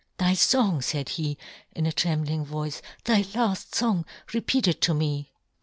" Thy " fong," faid he, in a trembling voice, " thy laft fong, repeat it to me."